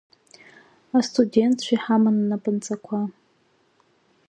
Астудентцәа иҳаман анапынҵақәа…